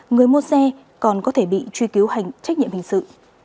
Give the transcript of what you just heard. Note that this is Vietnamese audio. người mua xe còn có thể bị truy cứu hành trách nhiệm hình sự